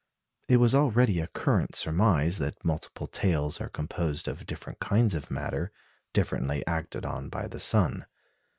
It was already a current surmise that multiple tails are composed of different kinds of matter, differently acted on by the sun.